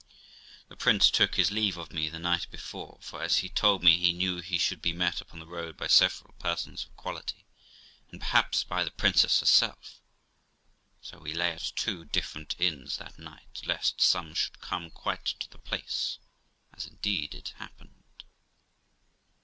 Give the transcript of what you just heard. The prince took his leave of me the night before, for, as he told me, he knew he should be met upon the road by several persons of quality, and perhaps by the princess herself; so we lay at two different inns that night, lest some should come quite to the place, as indeed it happened.